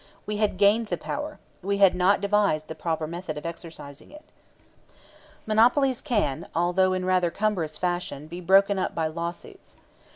We had gained the power. We had not devised the proper method of exercising it. Monopolies can, although in rather cumbrous fashion, be broken up by law suits.